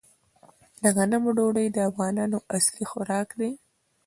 د غنمو ډوډۍ د افغانانو اصلي خوراک دی.